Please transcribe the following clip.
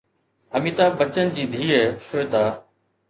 اميتاڀ بچن جي ڌيءَ شيوتا